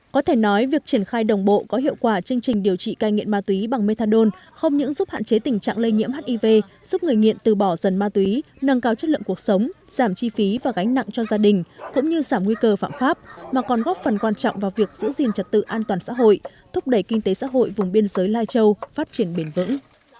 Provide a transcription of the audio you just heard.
có thể nói việc triển khai đồng bộ có hiệu quả chương trình điều trị ca nghiện ma túy bằng methadone không những giúp hạn chế tình trạng lây nhiễm hiv giúp người nghiện từ bỏ dần ma túy nâng cao chất lượng cuộc sống giảm chi phí và gánh nặng cho gia đình cũng như giảm nguy cơ phạm pháp mà còn góp phần quan trọng vào việc giữ gìn trật tự an toàn xã hội thúc đẩy kinh tế xã hội vùng biên giới lai châu phát triển bền vững